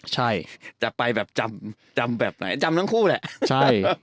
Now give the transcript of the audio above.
จะไปแบบจำจำแบบไหนจำทั้งคู่แหละ